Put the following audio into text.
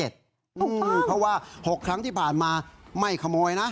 เพราะว่า๖ครั้งที่ผ่านมาไม่ขโมยนะ